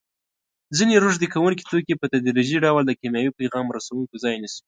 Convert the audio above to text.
ځینې روږدې کوونکي توکي په تدریجي ډول د کیمیاوي پیغام رسوونکو ځای نیسي.